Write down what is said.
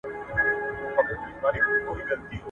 کډه په شا ژوند سته.